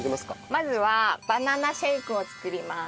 まずはバナナシェイクを作ります。